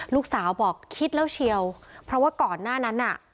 ลูกสาวบอกคิดแล้วเชียวเพราะว่าก่อนหน้านั้นน่ะ